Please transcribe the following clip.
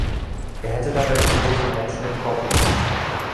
Er hätte dabei den Tod von Menschen in Kauf genommen.